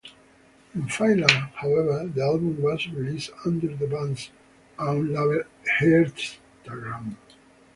In Finland however, the album was released under the band's own label Heartagram.